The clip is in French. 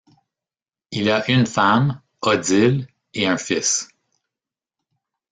Il a une femme, Odile, et un fils.